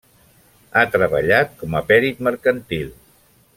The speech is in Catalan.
Ha treballat com a pèrit mercantil.